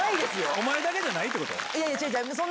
おまえだけじゃないってこと？